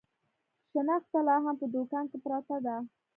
شنخته لا هم په دوکان کې پرته ده.